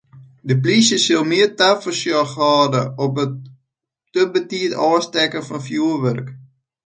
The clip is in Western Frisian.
De plysje sil mear tafersjoch hâlde op it te betiid ôfstekken fan fjoerwurk.